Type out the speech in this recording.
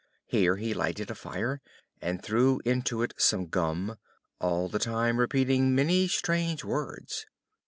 Here he lighted a fire, and threw into it some gum, all the time repeating many strange words.